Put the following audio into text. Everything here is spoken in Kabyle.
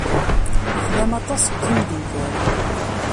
Tlam aṭas n yimeddukal.